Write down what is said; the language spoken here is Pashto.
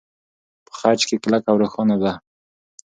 په خج کې کلکه او روښانه ده.